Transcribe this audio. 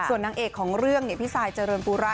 ส่วนนางเอกของเรื่องพี่ซายเจริญปูระ